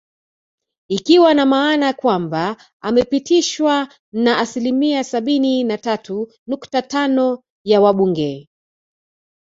Ikiwa na maana kwamba amepitishwa na asilimia sabini na tatu nukta tano ya wabunge